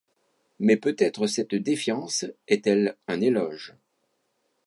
Mais peut-être cette défiance est-elle un éloge?